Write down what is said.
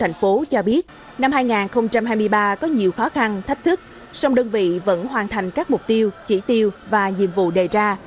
năm hai nghìn hai mươi ba có nhiều khó khăn thách thức song đơn vị vẫn hoàn thành các mục tiêu chỉ tiêu và nhiệm vụ đề ra